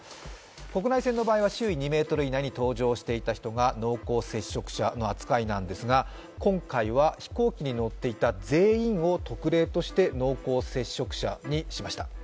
国内線の場合は周囲２ｍ以内に搭乗していた人が濃厚接触者の扱いなんですが今回は飛行機に乗っていた全員を特例として濃厚接触者にしました。